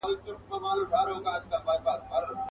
بېخبره مي هېر کړي نعمتونه.